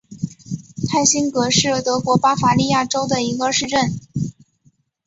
泰辛格是德国巴伐利亚州的一个市镇。